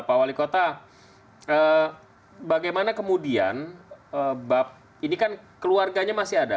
pak wali kota bagaimana kemudian ini kan keluarganya masih ada